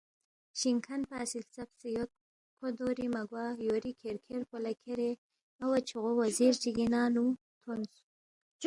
شِنگ کھن پا سی ہلژبسے یود، کھو دوری مہ گوا یوری کھیر کھیر پو لہ کھیرے اوا چھوغو وزیر چِگی ننگ نُو تھونس